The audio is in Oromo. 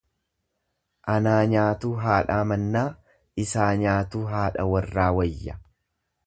Anaa nyaatuu haadhaa mannaa, isaa nyaatuu haadha warraa wayya.